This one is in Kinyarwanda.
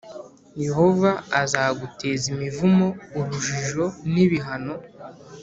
Yehova azaguteza imivumo, urujijo n’ibihano